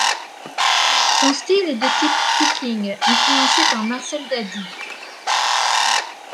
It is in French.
Son style est de type picking, influencé par Marcel Dadi.